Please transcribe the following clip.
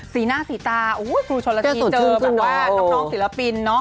สีหน้าสีตาครูโชลาธีเจอแบบว่าน้องศิลปิน